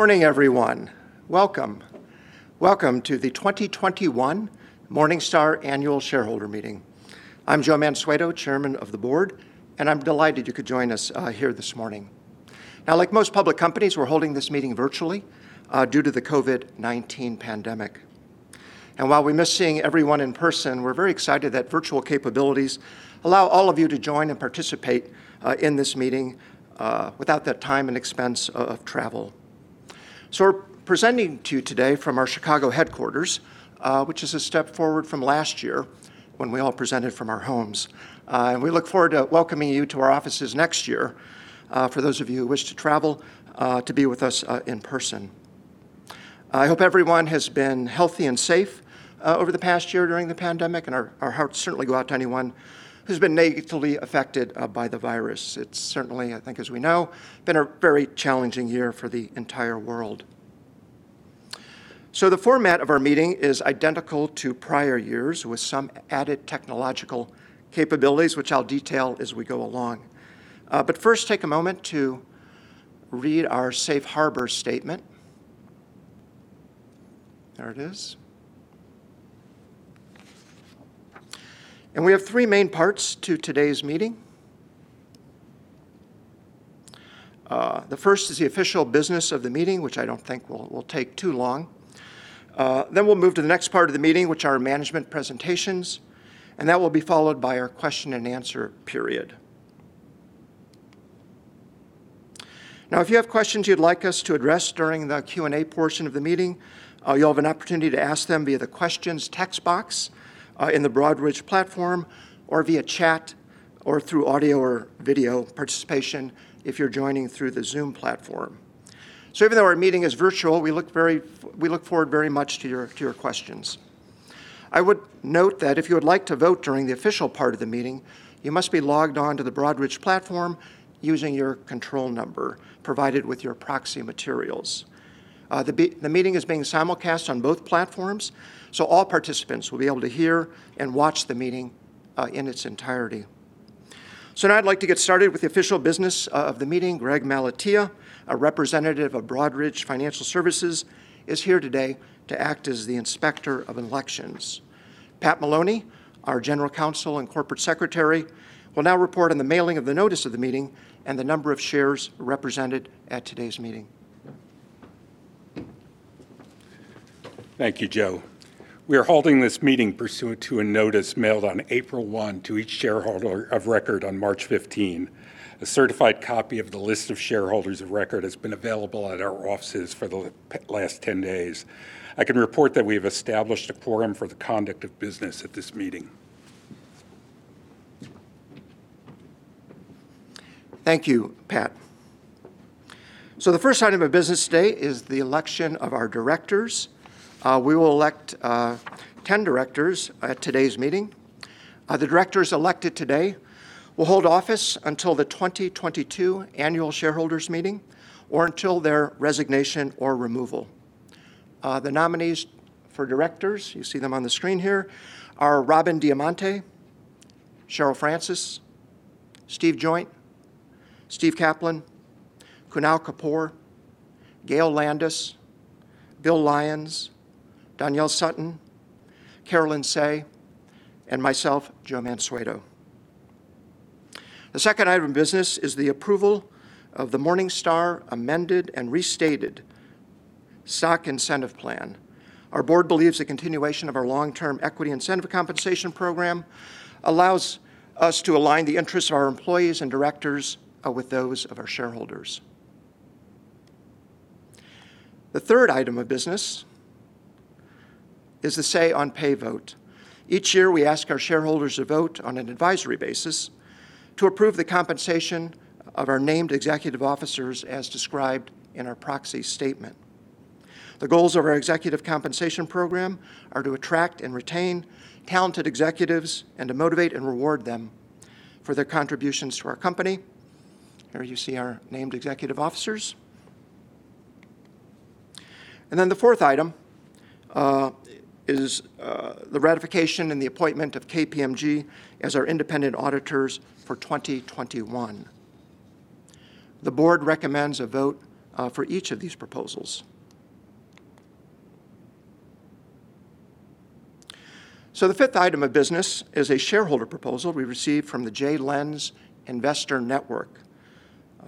Morning, everyone. Welcome. Welcome to the 2021 Morningstar Annual Shareholder Meeting. I'm Joe Mansueto, Chairman of the Board, and I'm delighted you could join us here this morning. Now, like most public companies, we're holding this meeting virtually due to the COVID-19 pandemic. While we miss seeing everyone in person, we're very excited that virtual capabilities allow all of you to join and participate in this meeting without the time and expense of travel. We're presenting to you today from our Chicago headquarters, which is a step forward from last year, when we all presented from our homes. We look forward to welcoming you to our offices next year, for those of you who wish to travel to be with us in person. I hope everyone has been healthy and safe over the past year during the pandemic, and our hearts certainly go out to anyone who's been negatively affected by the virus. It's certainly, I think as we know, been a very challenging year for the entire world. The format of our meeting is identical to prior years, with some added technological capabilities, which I'll detail as we go along. First, take a moment to read our safe harbor statement. There it is. We have three main parts to today's meeting. The first is the official business of the meeting, which I don't think will take too long. We'll move to the next part of the meeting, which are management presentations, and that will be followed by our question-and-answer period. If you have questions you'd like us to address during the Q&A portion of the meeting, you'll have an opportunity to ask them via the questions text box in the Broadridge platform, or via chat, or through audio or video participation if you're joining through the Zoom platform. Even though our meeting is virtual, we look forward very much to your questions. I would note that if you would like to vote during the official part of the meeting, you must be logged on to the Broadridge platform using your control number provided with your proxy materials. The meeting is being simulcast on both platforms, so all participants will be able to hear and watch the meeting in its entirety. Now I'd like to get started with the official business of the meeting. Greg Malatia, a representative of Broadridge Financial Services, is here today to act as the Inspector of Elections. Pat Maloney, our General Counsel and Corporate Secretary, will now report on the mailing of the notice of the meeting and the number of shares represented at today's meeting. Thank you, Joe. We are holding this meeting pursuant to a notice mailed on April 1 to each shareholder of record on March 15. A certified copy of the list of shareholders of record has been available at our offices for the last 10 days. I can report that we have established a quorum for the conduct of business at this meeting. Thank you, Pat. The first item of business today is the election of our directors. We will elect 10 directors at today's meeting. The directors elected today will hold office until the 2022 Annual Shareholders Meeting or until their resignation or removal. The nominees for directors, you see them on the screen here, are Robin Diamonte, Cheryl Francis, Steve Joynt, Steve Kaplan, Kunal Kapoor, Gail Landis, Bill Lyons, Doniel Sutton, Caroline Tsay, and myself, Joe Mansueto. The second item of business is the approval of the Morningstar amended and restated Stock Incentive Plan. Our Board believes the continuation of our long-term equity incentive compensation program allows us to align the interests of our employees and directors with those of our shareholders. The third item of business is the say-on-pay vote. Each year, we ask our shareholders to vote on an advisory basis to approve the compensation of our named executive officers as described in our proxy statement. The goals of our executive compensation program are to attract and retain talented executives and to motivate and reward them for their contributions to our company. Here you see our named executive officers. The fourth item is the ratification and the appointment of KPMG as our independent auditors for 2021. The Board recommends a vote for each of these proposals. The fifth item of business is a shareholder proposal we received from the JLens Investor Network.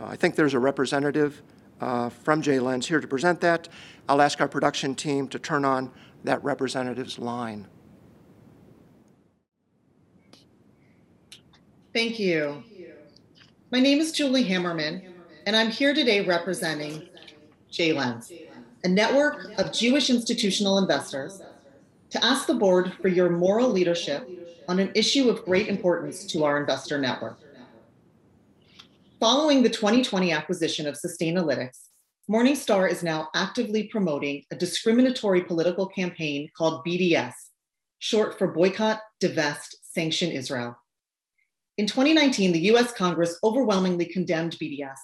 I think there's a representative from JLens here to present that. I'll ask our production team to turn on that representative's line. Thank you. My name is Julie Hammerman, and I'm here today representing JLens, a network of Jewish institutional investors, to ask the Board for your moral leadership on an issue of great importance to our investor network. Following the 2020 acquisition of Sustainalytics, Morningstar is now actively promoting a discriminatory political campaign called BDS, short for Boycott, Divest, Sanction Israel. In 2019, the U.S. Congress overwhelmingly condemned BDS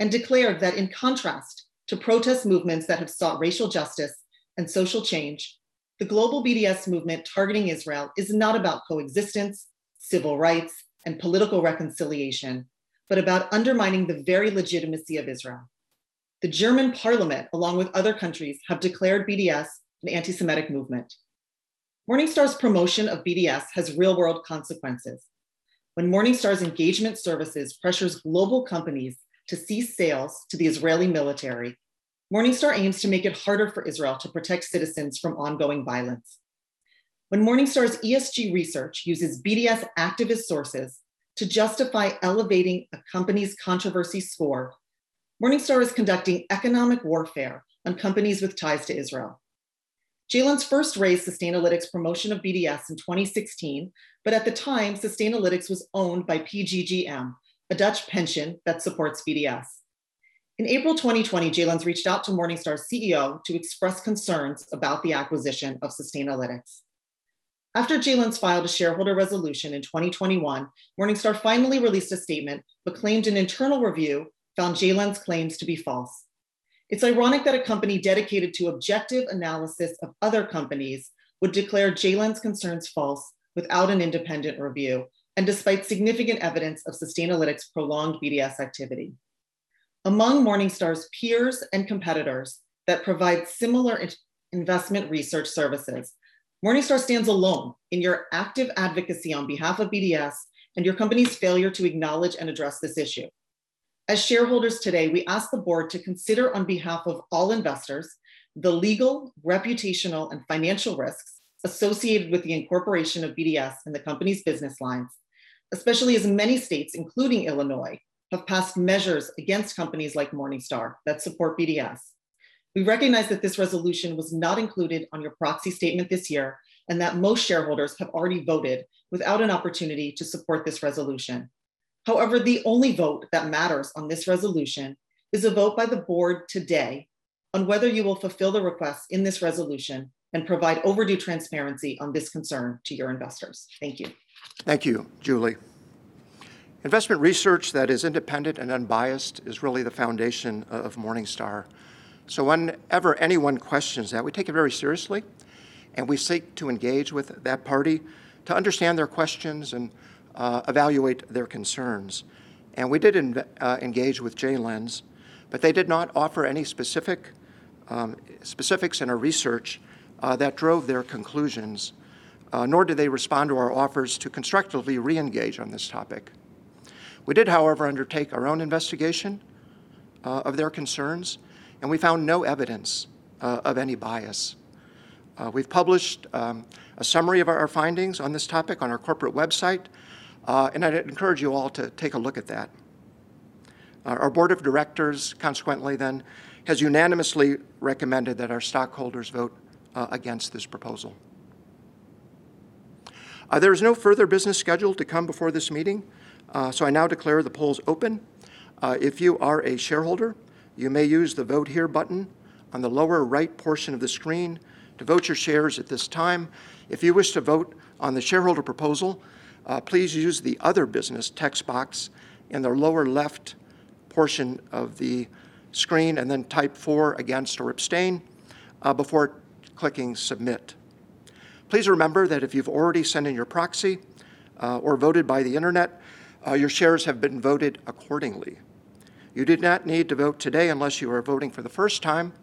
and declared that in contrast to protest movements that have sought racial justice and social change. The global BDS movement targeting Israel is not about coexistence, civil rights, and political reconciliation, but about undermining the very legitimacy of Israel. The German parliament, along with other countries, have declared BDS an anti-Semitic movement. Morningstar's promotion of BDS has real-world consequences. When Morningstar's engagement services pressures global companies to cease sales to the Israeli military, Morningstar aims to make it harder for Israel to protect citizens from ongoing violence. When Morningstar's ESG research uses BDS activist sources to justify elevating a company's controversy score, Morningstar is conducting economic warfare on companies with ties to Israel. JLens first raised Sustainalytics' promotion of BDS in 2016, but at the time, Sustainalytics was owned by PGGM, a Dutch pension that supports BDS. In April 2020, JLens reached out to Morningstar's CEO to express concerns about the acquisition of Sustainalytics. After JLens filed a shareholder resolution in 2021, Morningstar finally released a statement but claimed an internal review found JLens' claims to be false. It's ironic that a company dedicated to objective analysis of other companies would declare JLens' concerns false without an independent review, and despite significant evidence of Sustainalytics' prolonged BDS activity. Among Morningstar's peers and competitors that provide similar investment research services, Morningstar stands alone in your active advocacy on behalf of BDS and your company's failure to acknowledge and address this issue. As shareholders today, we ask the Board to consider on behalf of all investors the legal, reputational, and financial risks associated with the incorporation of BDS in the company's business lines, especially as many states, including Illinois, have passed measures against companies like Morningstar that support BDS. We recognize that this resolution was not included on your proxy statement this year and that most shareholders have already voted without an opportunity to support this resolution. The only vote that matters on this resolution is a vote by the Board today on whether you will fulfill the request in this resolution and provide overdue transparency on this concern to your investors. Thank you. Thank you, Julie. Investment research that is independent and unbiased is really the foundation of Morningstar. Whenever anyone questions that, we take it very seriously, and we seek to engage with that party to understand their questions and evaluate their concerns. We did engage with JLens, but they did not offer any specifics in their research that drove their conclusions, nor did they respond to our offers to constructively reengage on this topic. We did, however, undertake our own investigation of their concerns, and we found no evidence of any bias. We've published a summary of our findings on this topic on our corporate website, and I'd encourage you all to take a look at that. Our Board of Directors consequently has unanimously recommended that our stockholders vote against this proposal. There is no further business scheduled to come before this meeting. I now declare the polls open. If you are a shareholder, you may use the Vote Here button on the lower right portion of the screen to vote your shares at this time. If you wish to vote on the shareholder proposal, please use the Other Business text box in the lower left portion of the screen and then type for against or abstain before clicking Submit. Please remember that if you've already sent in your proxy or voted by the internet, your shares have been voted accordingly. You do not need to vote today unless you are voting for the first time,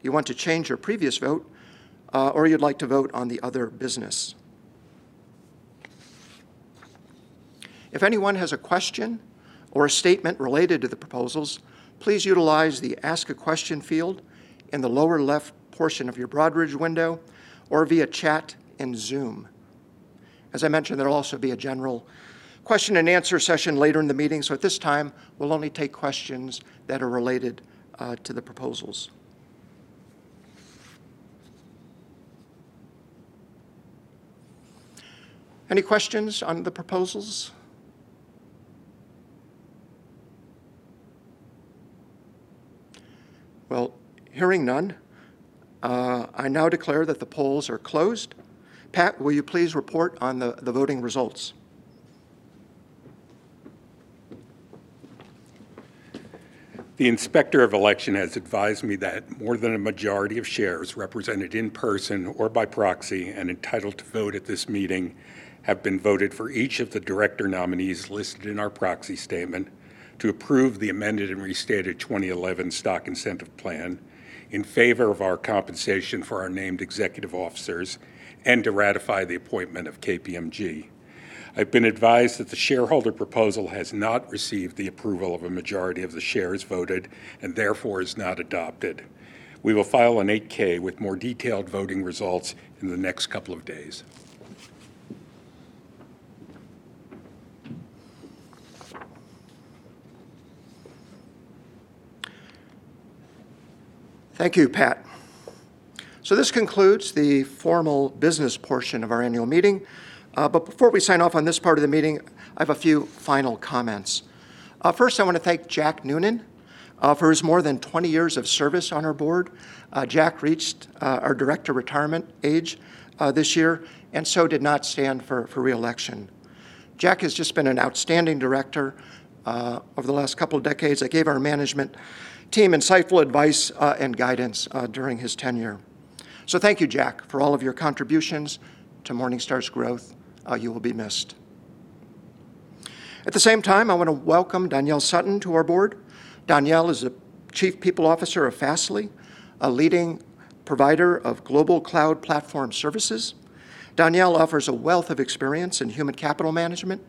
you want to change your previous vote, or you'd like to vote on the other business. If anyone has a question or a statement related to the proposals, please utilize the Ask A Question field in the lower left portion of your Broadridge window or via chat in Zoom. As I mentioned, there'll also be a general question-and-answer session later in the meeting, so at this time, we'll only take questions that are related to the proposals. Any questions on the proposals? Well, hearing none, I now declare that the polls are closed. Pat, will you please report on the voting results? The Inspector of Election has advised me that more than a majority of shares represented in person or by proxy and entitled to vote at this meeting have been voted for each of the director nominees listed in our proxy statement to approve the amended and restated 2011 Stock Incentive Plan in favor of our compensation for our named executive officers and to ratify the appointment of KPMG. I've been advised that the shareholder proposal has not received the approval of a majority of the shares voted and therefore is not adopted. We will file an 8-K with more detailed voting results in the next couple of days. Thank you, Pat. This concludes the formal business portion of our annual meeting. Before we sign off on this part of the meeting, I have a few final comments. First, I want to thank Jack Noonan for his more than 20 years of service on our Board. Jack reached our director retirement age this year and so did not stand for reelection. Jack has just been an outstanding director over the last couple of decades that gave our management team insightful advice and guidance during his tenure. Thank you, Jack, for all of your contributions to Morningstar's growth. You will be missed. At the same time, I want to welcome Doniel Sutton to our Board. Doniel is the Chief People Officer of Fastly, a leading provider of global cloud platform services. Doniel offers a wealth of experience in human capital management,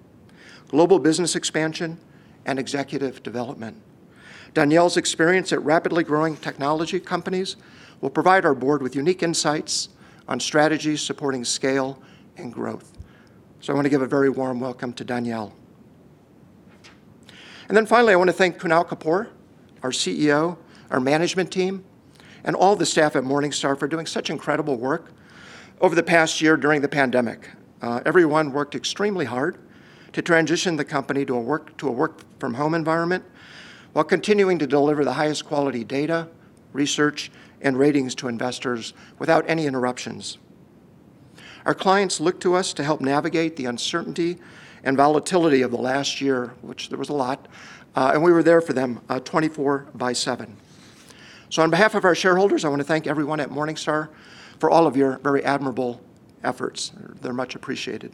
global business expansion, and executive development. Doniel's experience at rapidly growing technology companies will provide our Board with unique insights on strategies supporting scale and growth. I want to give a very warm welcome to Doniel. Finally, I want to thank Kunal Kapoor, our CEO, our management team, and all the staff at Morningstar for doing such incredible work over the past year during the pandemic. Everyone worked extremely hard to transition the company to a work from home environment while continuing to deliver the highest quality data, research, and ratings to investors without any interruptions. Our clients looked to us to help navigate the uncertainty and volatility of the last year, which there was a lot, and we were there for them 24/7. On behalf of our shareholders, I want to thank everyone at Morningstar for all of your very admirable efforts. They're much appreciated.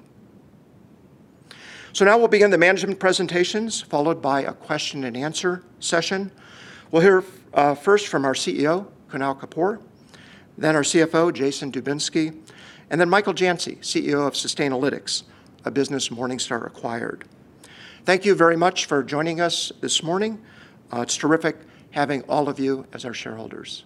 Now we'll begin the management presentations, followed by a question-and-answer session. We'll hear first from our CEO, Kunal Kapoor, then our CFO, Jason Dubinsky, and then Michael Jantzi, CEO of Sustainalytics, a business Morningstar acquired. Thank you very much for joining us this morning. It's terrific having all of you as our shareholders.